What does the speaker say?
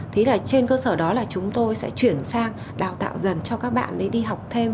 thế là trên cơ sở đó là chúng tôi sẽ chuyển sang đào tạo dần cho các bạn để đi học thêm